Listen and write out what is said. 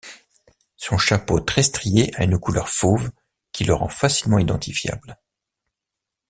Son chapeau très strié a une couleur fauve qui le rend facilement identifiable.